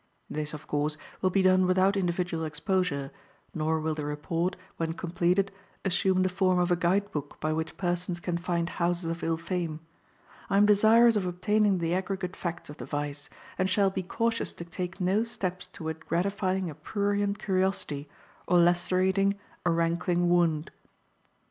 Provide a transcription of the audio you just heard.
This, of course, will be done without individual exposure, nor will the report, when completed, assume the form of a guide book by which persons can find houses of ill fame. I am desirous of obtaining the aggregate facts of the vice, and shall be cautious to take no steps toward gratifying a prurient curiosity or lacerating a rankling wound.